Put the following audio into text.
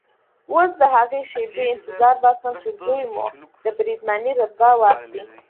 اوس د هغې شېبې انتظار باسم چې زوی مو د بریدمنۍ رتبه واخلي.